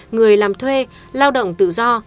người làm thuê lao động tự do